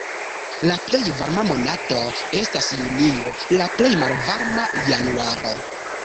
La plej varma monato estas junio, la plej malvarma januaro.